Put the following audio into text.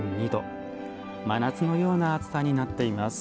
真夏のような暑さになっています。